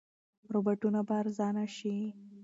روباټونه به ارزانه شي.